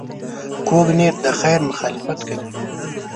کوږ نیت د خیر مخالفت کوي